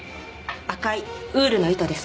赤いウールの糸です。